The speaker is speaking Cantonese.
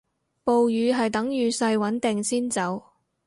暴雨係等雨勢穩定先走